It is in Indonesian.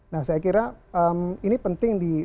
nah saya kira ini penting di